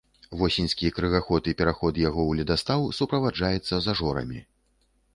Восеньскі крыгаход і пераход яго ў ледастаў суправаджаецца зажорамі.